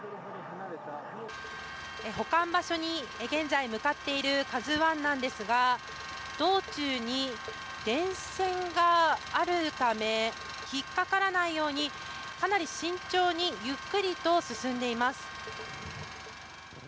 保管場所に現在向かっている「ＫＡＺＵ１」ですが道中に電線があるため引っかからないようにかなり慎重にゆっくりと進んでいます。